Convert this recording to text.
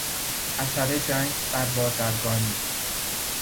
اثر جنگ بر بازرگانی